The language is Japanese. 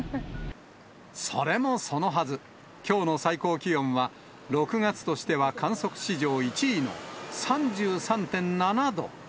それもそのはず、きょうの最高気温は、６月としては観測史上１位の３３．７度。